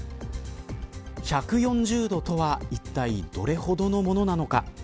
１４０度とはいったいどれほどのものなのか。